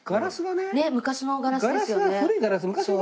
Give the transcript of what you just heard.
ねえ昔のガラスですよね。